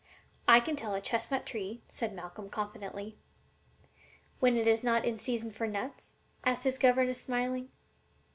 "I can tell a chestnut tree," said Malcolm, confidently. "When it is not the season for nuts?" asked his governess, smiling.